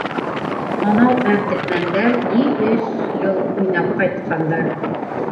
Анау Әбделмәндәр ни өс йыл уйнап ҡайтҡандар.